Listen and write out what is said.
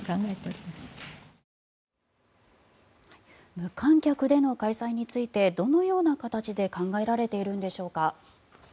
無観客での開催についてどのような形で考えられているんでしょうか。